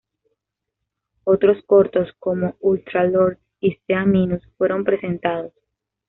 Otros cortos como "Ultra Lord" y "Sea Minus" fueron presentados.